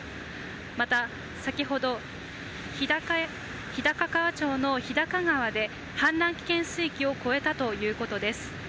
また、先ほど日高川町の日高川で氾濫危険水位を越えたということです。